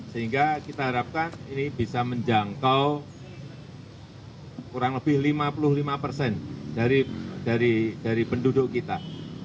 sehingga kita harapkan ini bisa menjangkau kurang lebih lima puluh lima persen dari penduduk kita